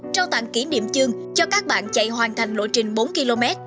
trao tặng kỷ niệm chương cho các bạn chạy hoàn thành lộ trình bốn km